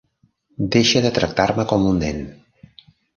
Deixa de tractar-me com un nen.